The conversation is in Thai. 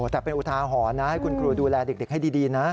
แต่เป็นอุทาหรณ์นะให้คุณครูดูแลเด็กให้ดีนะ